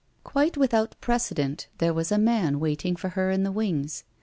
Quite without precedent, there was a man waiting for her in the wings.